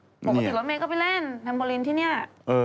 ออกติดล๊อตเมตเค้าไปเล่นเทมปอลินที่เนี่ย